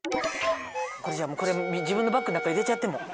これじゃあ自分のバッグの中入れちゃってもう。